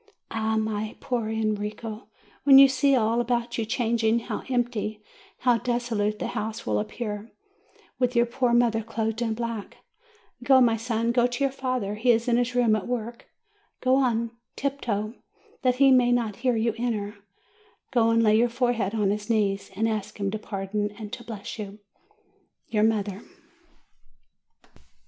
Ah, my poor Enrico, when you see all about you changing, how empty, how desolate the house will appear, with your poor mother clothed in black ! Go, my son, go to your father ; he is in his room at work. Go on tiptoe, so that he may not hear you enter ; go and lay your fore head on his knees, and ask him to pardon and to bless you. YOUR MOTHER.